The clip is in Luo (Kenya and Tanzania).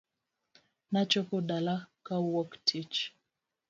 Nachopo dalana kawuok tich .